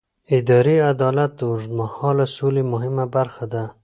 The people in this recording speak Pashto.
اداري عدالت د اوږدمهاله سولې مهمه برخه ده